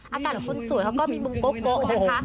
อากาศจนสวยเค้าก็มีมุมโก๊ะนั้นค่ะ